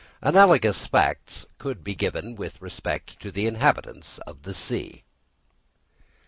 Analogous facts could be given with respect to the inhabitants of the sea.